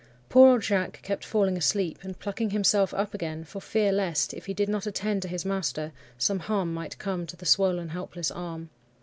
"Poor old Jacques kept falling asleep, and plucking himself up again for fear lest, if he did not attend to his master, some harm might come to the swollen, helpless arm.